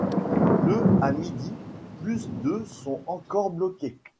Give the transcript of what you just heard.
Le à midi, plus de sont encore bloqués.